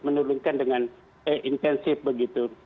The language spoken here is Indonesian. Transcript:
menurunkan dengan intensif begitu